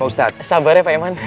sabarnya pak iman